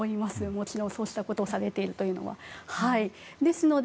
もちろんそうしたことをされているのは。